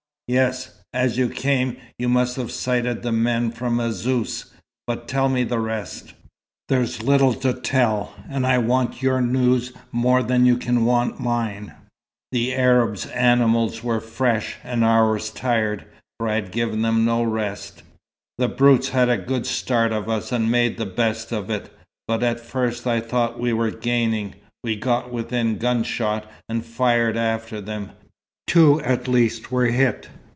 "Yes. As you came, you must have sighted the men from Azzouz. But tell me the rest." "There's little to tell, and I want your news more than you can want mine. The Arabs' animals were fresh, and ours tired, for I'd given them no rest. The brutes had a good start of us and made the best of it, but at first I thought we were gaining. We got within gunshot, and fired after them. Two at least were hit.